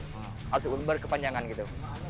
maksud gue berkepanjangan gitu